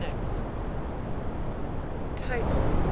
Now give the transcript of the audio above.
TiTLB.